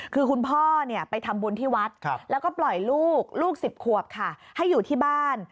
คือคุณพ่อไปทำบุญที่วัดแล้วก็ปล่อยลูกลูก๑๐ขวบค่ะให้อยู่ที่บ้าน